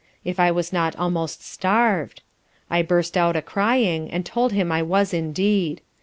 if I was not almost starv'd? I burst out a crying, and told him I was indeed.